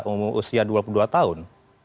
umur usia dua puluh dua tahun